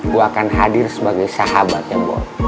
gue akan hadir sebagai sahabatnya